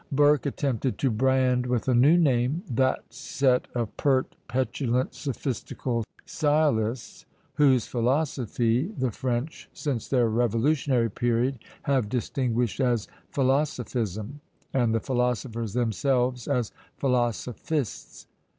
Burke attempted to brand with a new name that set of pert, petulant, sophistical sciolists, whose philosophy the French, since their revolutionary period, have distinguished as philosophism, and the philosophers themselves as philosophistes.